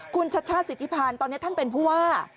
คุณชัชชาติสิทธิพันธ์ตอนนี้ท่านเป็นผู้ว่า